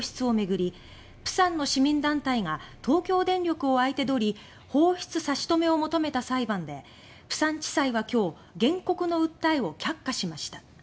釜山の市民団体が東京電力を相手取り放出差し止めを求めた裁判で釜山地裁は今日原告の訴えを却下しました。